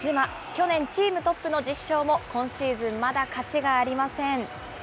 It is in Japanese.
去年、チームトップの１０勝も、今シーズンまだ勝ちがありません。